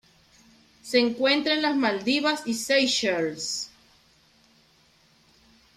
Se encuentra en las Maldivas y Seychelles.